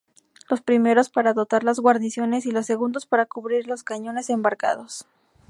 Los primeros para dotar las guarniciones y los segundos para cubrir los cañones embarcados.